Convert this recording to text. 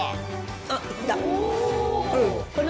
あっいった。